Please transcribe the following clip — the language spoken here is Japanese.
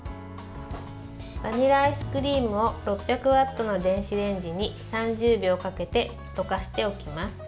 バニラアイスクリームを６００ワットの電子レンジに３０秒かけて、溶かしておきます。